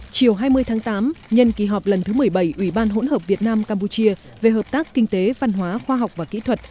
chiều hai mươi tháng tám nhân kỳ họp lần thứ một mươi bảy ủy ban hỗn hợp việt nam campuchia về hợp tác kinh tế văn hóa khoa học và kỹ thuật